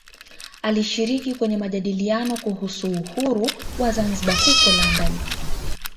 Alishiriki kwenye majadiliano kuhusu uhuru wa Zanzibar huko London